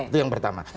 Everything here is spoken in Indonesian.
itu yang pertama